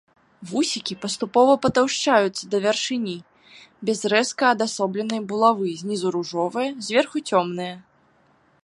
Вусікі паступова патаўшчаюцца да вяршыні, без рэзка адасобленай булавы, знізу ружовыя, зверху цёмныя.